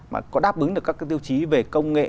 mà có đáp ứng được các cái tiêu chí về công nghệ